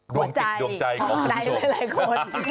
ดวงสิทธิ์ดวงใจของผู้ชมได้หลายคนไม่ใช่